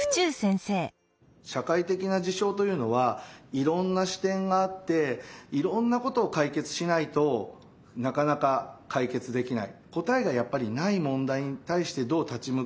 社会的な事象というのはいろんな視点があっていろんなことを解決しないとなかなか解決できない。